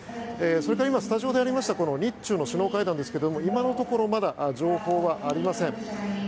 それから今スタジオでありました日中の首脳会談ですが今のところまだ情報はありません。